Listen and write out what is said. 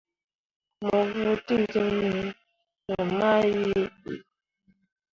Mo vuu tǝdiŋni me mah yie bii.